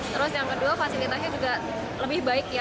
terus yang kedua fasilitasnya juga lebih baik ya